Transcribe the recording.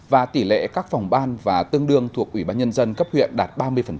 và tỷ lệ các phòng ban và tương đương thuộc ủy ban nhân dân cấp huyện đạt ba mươi